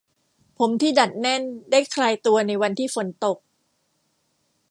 ผมที่ดัดแน่นได้คลายตัวในวันที่ฝนตก